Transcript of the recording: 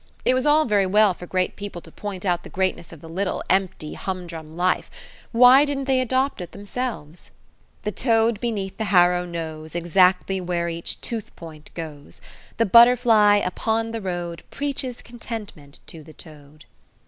It was all very well for great people to point out the greatness of the little, empty, humdrum life. Why didn't they adopt it themselves? "The toad beneath the harrow knows Exactly where each tooth point goes. The butterfly upon the road Preaches contentment to the toad."